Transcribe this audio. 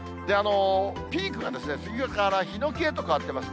ピークが、スギからヒノキへと変わってます。